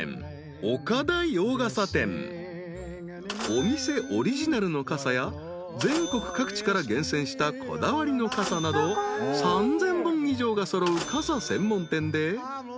［お店オリジナルの傘や全国各地から厳選したこだわりの傘など３，０００本以上が揃う］